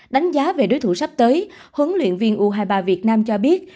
đánh giá về đối thủ sắp tới huấn luyện viên u hai mươi ba việt nam cho biết